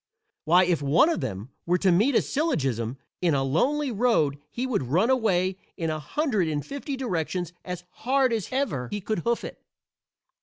Why, if one of them were to meet a syllogism in a lonely road he would run away in a hundred and fifty directions as hard as ever he could hoof it.